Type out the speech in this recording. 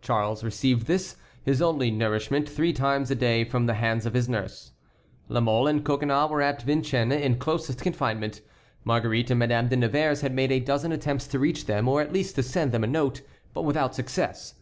Charles received this, his only nourishment, three times a day from the hands of his nurse. La Mole and Coconnas were at Vincennes in closest confinement. Marguerite and Madame de Nevers had made a dozen attempts to reach them, or at least to send them a note, but without success.